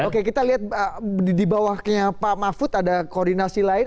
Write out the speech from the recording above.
oke kita lihat di bawahnya pak mahfud ada koordinasi lain